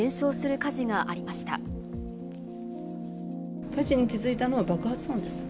火事に気付いたのは爆発音です。